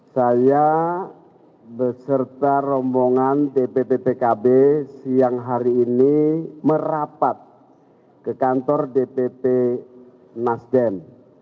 saya beserta rombongan dpp pkb siang hari ini merapat ke kantor dpp nasdem